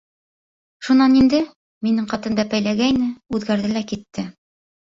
Шунан инде... минең ҡатын бәпәйләгәйне, үҙгәрҙе лә китте.